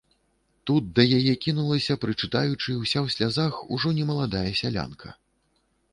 Тут да яе кінулася, прычытаючы, уся ў слязах, ужо не маладая сялянка.